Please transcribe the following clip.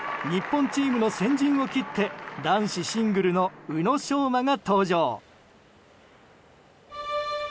日本チームの先陣を切って男子シングルの宇野昌磨が登場。